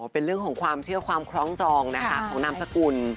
เป็นเรื่องของความเชื่อความคล้องจองนะคะของนามสกุล